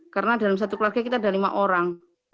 karena dalam satu keluarga kita ada lima orang